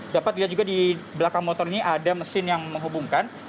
dapat dilihat juga di belakang motor ini ada mesin yang menghubungkan